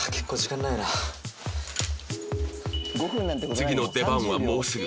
次の出番はもうすぐ